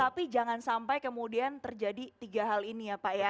tapi jangan sampai kemudian terjadi tiga hal ini ya pak ya